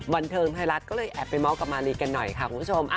บันเทิงไทยรัฐก็เลยแอบไปเมาส์กับมารีกันหน่อยค่ะคุณผู้ชม